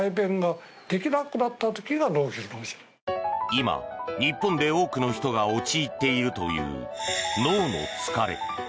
今、日本で多くの人が陥っているという脳の疲れ。